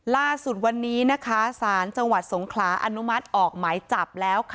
ล่าสุดวันนี้นะคะศาลจังหวัดสงขลาอนุมัติออกหมายจับแล้ว